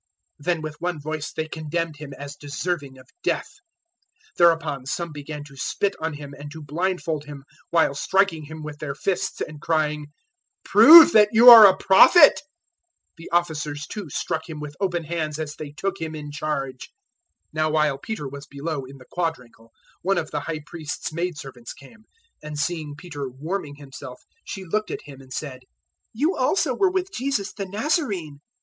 Then with one voice they condemned Him as deserving of death. 014:065 Thereupon some began to spit on Him, and to blindfold Him, while striking Him with their fists and crying, "Prove that you are a prophet." The officers too struck Him with open hands as they took Him in charge. 014:066 Now while Peter was below in the quadrangle, one of the High Priest's maidservants came, 014:067 and seeing Peter warming himself she looked at him and said, "You also were with Jesus, the Nazarene."